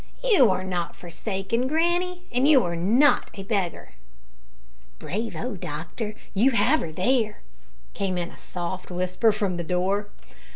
You are not forsaken, granny, and you are not a beggar." "Brayvo, doctor! you have 'er there!" came in a soft whisper from the door.